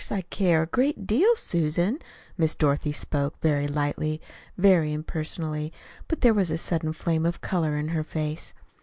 I care a great deal, Susan." Miss Dorothy spoke very lightly, very impersonally; but there was a sudden flame of color in her face.